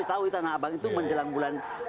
tahu di tanah abang itu menjelang bulan